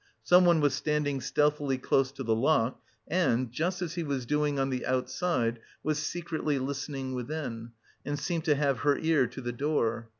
Someone was standing stealthily close to the lock and just as he was doing on the outside was secretly listening within, and seemed to have her ear to the door....